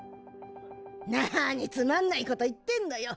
なにつまんないこと言ってんのよ！